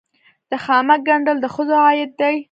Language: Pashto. د خامک ګنډل د ښځو عاید دی